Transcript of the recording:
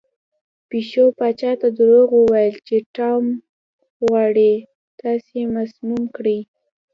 پیشو پاچا ته دروغ وویل چې ټام غواړي تاسې مسموم کړي.